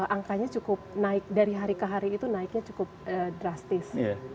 angkanya cukup naik dari hari ke hari itu naiknya cukup drastis